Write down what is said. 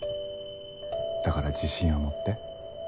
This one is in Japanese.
だから自信を持って。